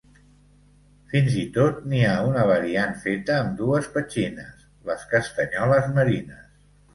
Fins i tot, n'hi ha una variant feta amb dues petxines: les castanyoles marines.